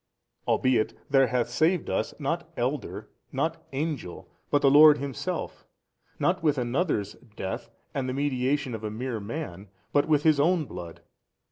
albeit there hath saved us, not elder, not angel, but the Lord Himself, not with another's death and the mediation of a mere man but, with His own Blood.